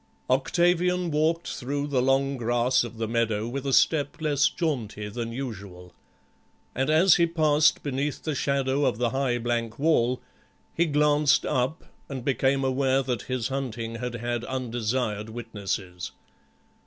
Octavian walked through the long grass of the meadow with a step less jaunty than usual. And as he passed beneath the shadow of the high blank wall he glanced up and became aware that his hunting had had undesired witnesses.